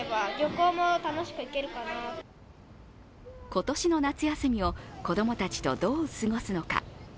今年の夏休みを子供たちとどう過ごすのか。